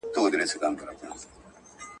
بې سرحده یې قدرت او سلطنت دئ.